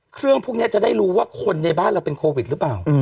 พวกนี้จะได้รู้ว่าคนในบ้านเราเป็นโควิดหรือเปล่า